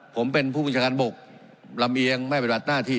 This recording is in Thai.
ผมเป็นผู้บริจารย์บกรัมเองไม่อะไรบัจหน้าที่